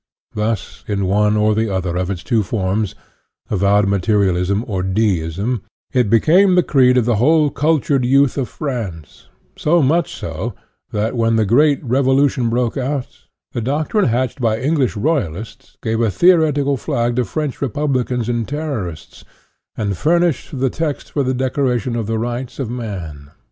Thus, in one or the other of its 32 INTRODUCTION two forms avowed materialism or deism it became the creed of the whole cultured youth of France; so much so that, when the great Revo lution broke out, the doctrine hatched by Eng lish Royalists gave a theoretical flag to French Republicans and Terrorists, and furnished the text for the Declaration of the Rights of Man.